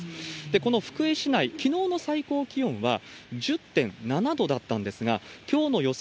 この福井市内、きのうの最高気温は１０．７度だったんですが、きょうの予想